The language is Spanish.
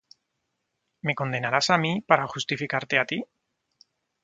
¿Me condenarás á mí, para justificarte á ti?